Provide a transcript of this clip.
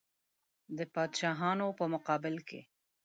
د پاچاهانو په مقابل کې.